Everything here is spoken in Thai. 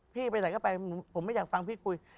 ไปไหนก็ไปผมไม่อยากฟังพี่คุย